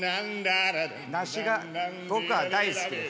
梨が僕は大好きです」。